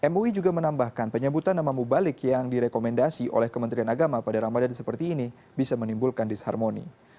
mui juga menambahkan penyebutan nama mubalik yang direkomendasi oleh kementerian agama pada ramadan seperti ini bisa menimbulkan disharmoni